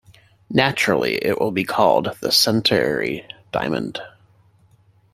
Naturally it will be called the Centenary Diamond.